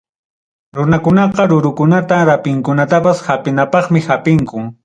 Runakunaqa rurukunata, rapinkunatapas hampinapaqmi hapinku.